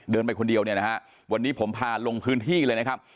ไปคนเดียวเนี่ยนะฮะวันนี้ผมพาลงพื้นที่เลยนะครับ